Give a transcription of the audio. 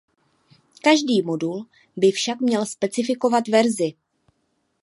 Každý modul by však měl specifikovat verzi.